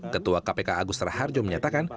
ketua kpk agus raharjo menyatakan